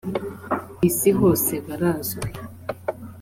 ku isi hose barazwi